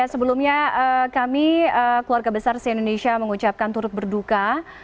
sebelumnya kami keluarga besar si indonesia mengucapkan turut berduka